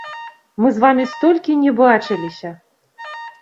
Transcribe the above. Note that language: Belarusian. Мы з вамі столькі не бачыліся!